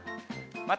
また。